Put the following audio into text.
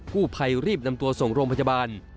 ผู้ภัยรีบนำตัวส่งโรงพยาบาล